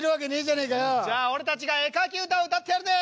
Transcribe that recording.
じゃあ俺たちが絵描き歌を歌ってやるぜ。